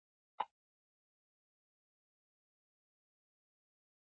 هلک د خپلې کورنۍ غمخور دی.